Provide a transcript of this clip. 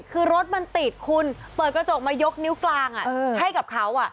คือรถมันติดคุณเปิดกระจกมายกนิ้วกลางให้กับเขา